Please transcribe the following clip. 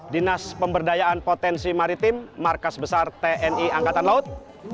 dinas pemberdayaan potensi maritim markas besar tni angkatan laut